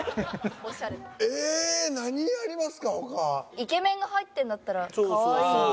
「イケメン」が入ってるんだったら「カワイイ」。